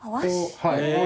はい。